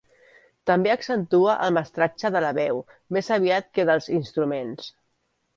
També accentua el mestratge de la veu més aviat que dels instruments.